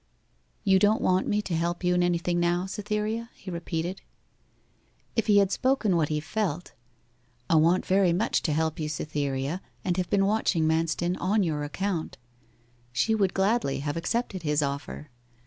'You don't want me to help you in anything now, Cytherea?' he repeated. If he had spoken what he felt, 'I want very much to help you, Cytherea, and have been watching Manston on your account,' she would gladly have accepted his offer.